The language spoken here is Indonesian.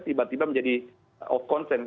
tiba tiba menjadi of concern